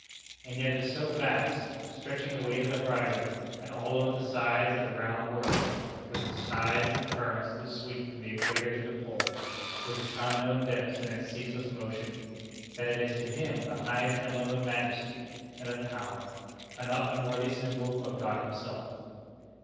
And yet it is so vast, stretching away to the horizon, and all over the sides of the round world; with its tides and currents that sweep from the equator to the pole; with its unknown depths and its ceaseless motion; that it is to him the highest emblem of majesty and of power a not unworthy symbol of God himself.